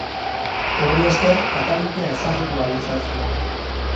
Horri esker Katalunia ezagutu ahal izan zuen.